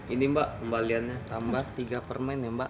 ini mbak pembaliannya tambah tiga permen ya mbak